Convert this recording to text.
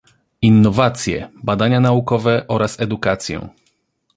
innowacje, badania naukowe oraz edukację